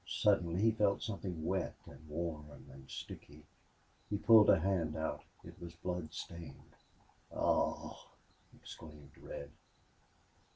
Suddenly he felt something wet and warm and sticky. He pulled a hand out. It was blood stained. "Aw!" exclaimed Red.